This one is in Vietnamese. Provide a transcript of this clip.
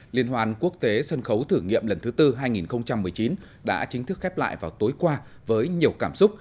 liên hoàn quốc tế sân khấu thử nghiệm lần thứ tư hai nghìn một mươi chín đã chính thức khép lại vào tối qua với nhiều cảm xúc